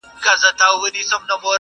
تېرومه ژوند د دې ماښام په تمه-